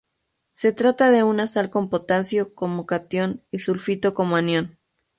Se trata de una sal con potasio como catión y sulfito como anión.